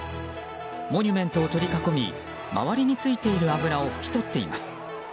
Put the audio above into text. モニュメントを取り囲み周りについている油を拭きとっています。